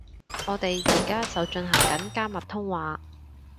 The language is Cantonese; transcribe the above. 我哋而家就進行緊加密通話